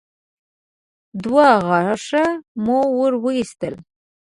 دوه غاښه مو ور وايستل.